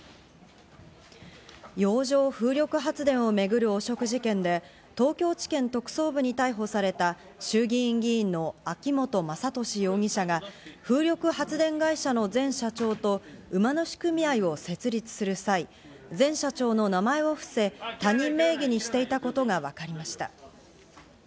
洋上風力発電を巡る汚職事件で東京地検特捜部に逮捕された衆議院議員の秋本真利容疑者が、風力発電会社の前社長と馬主組合を設立する際、前社長の名前を伏せ、他人名義にしていたことがわかりました。